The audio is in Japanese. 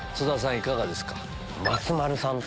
いかがですか？